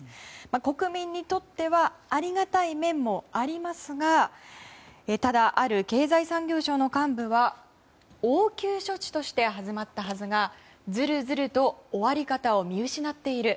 国民にとってはありがたい面もありますがただ、ある経済産業省の幹部は応急処置として始まったはずがズルズルと終わり方を見失っている。